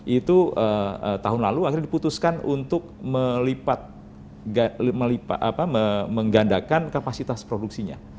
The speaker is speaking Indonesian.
itu tahun lalu akhirnya diputuskan untuk melipat menggandakan kapasitas produksinya